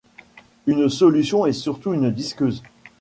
Une solution et surtout une disqueuse.